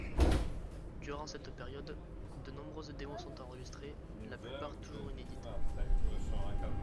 Durant cette période, de nombreuses démos sont enregistrées, la plupart toujours inédite.